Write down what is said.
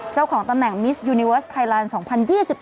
เจ้าของตำแหน่งมิสยูนิเวิร์สไทยแลนด์๒๐๒๒